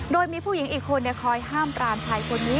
โดยมีผู้หญิงอีกคนคอยห้ามปรามชายคนนี้